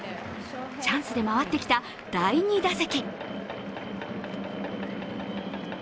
チャンスで回ってきた第２打席。